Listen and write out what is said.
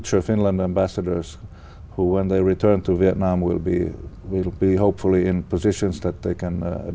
tôi sẽ dành thời gian cho những khác biệt